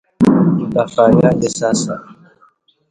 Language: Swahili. Utafanyaje sasa?